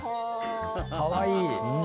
かわいい。